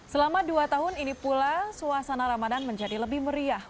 selama dua tahun ini pula suasana ramadan menjadi lebih meriah